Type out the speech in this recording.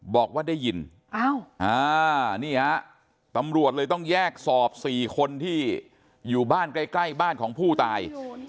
บอกว่าได้ยินนี่ฮะตำรวจเลยต้องแยกสอบ๔คนที่อยู่บ้านใกล้บ้านของผู้ตาย